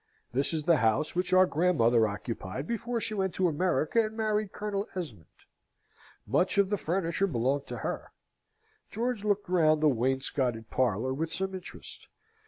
This is the house which our grandmother occupied before she went to America and married Colonel Esmond. Much of the furniture belonged to her." George looked round the wainscoted parlour with some interest.